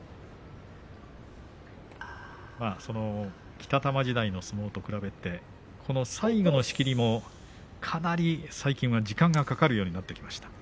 北玉時代の相撲と比べてこの最後の仕切りもかなり最近は時間がかかるようになってきました。